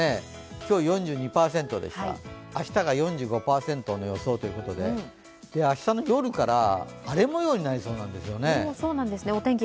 今日４２％ですから明日が４５％の予想ということで明日の夜から荒れ模様になりそうなんですね。